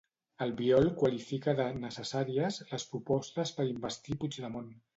Albiol qualifica de “necessàries” les propostes per investir Puigdemont.